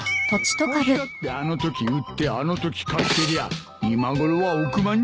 わしだってあのとき売ってあのとき買ってりゃ今ごろは億万長者だ。